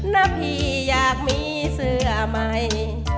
นะพี่อยากมีเสื้อใหม่